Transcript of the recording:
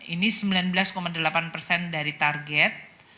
tiga ratus sembilan puluh tiga sembilan ini sembilan belas delapan dari target